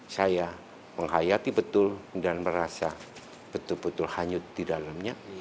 saya menghayati betul dan merasa betul betul hanyut di dalamnya